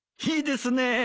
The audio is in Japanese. いいですね。